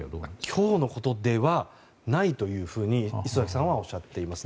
今日のことではないと礒崎さんはおっしゃっています。